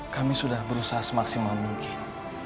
kami sudah berusaha semaksimal mungkin